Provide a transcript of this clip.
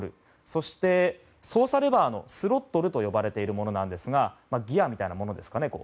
そして操作レバーのスロットルと呼ばれているものですがギアみたいなものですかね。